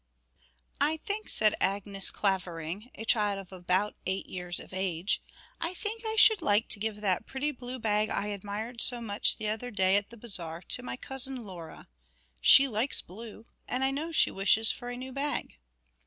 'I think,' said Agnes Clavering, a child of about eight years of age 'I think I should like to give that pretty blue bag I admired so much the other day at the Bazaar to my cousin Laura. She likes blue, and I know she wishes for a new bag.'